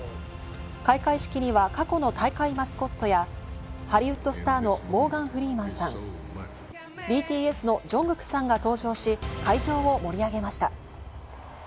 開会式には過去の大会マスコットやハリウッドスターのモーガン・フリーマンさん、ＢＴＳのＪＵＮＧＫＯＯＫさんが登場し、会場を盛り上げました。